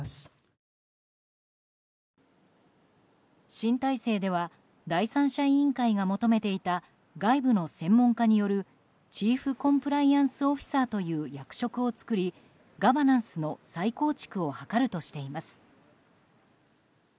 新体制では第三者委員会が求めていた外部の専門家によるチーフコンプライアンスオフィサーという役職を作り、ガバナンスの再構築を図るとしています。